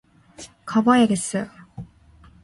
가봐야겠어요.